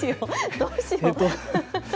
どうしよう。